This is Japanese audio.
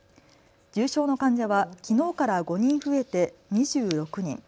重症の患者はきのうから５人増えて２６人。